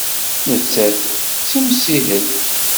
Nettat d timsihelt?